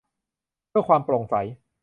เพื่อความโปร่งใส